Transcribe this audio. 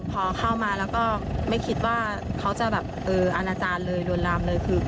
พอเข้ามาก็ไม่คิดว่าเขาจะอรัจารย์เลยหลวนรามเลย